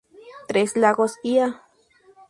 Tres Lagos y Ea.